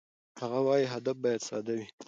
هغه وايي، هدف باید ساده وي.